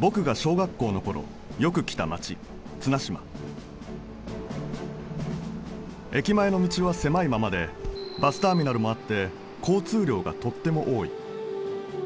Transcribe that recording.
僕が小学校の頃よく来た街綱島駅前の道は狭いままでバスターミナルもあって交通量がとっても多い。